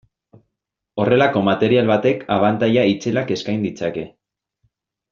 Horrelako material batek abantaila itzelak eskain ditzake.